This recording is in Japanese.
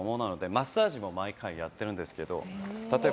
マッサージも毎回やってるんですけど。